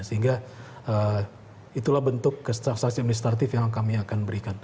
sehingga itulah bentuk transaksi administratif yang kami akan berikan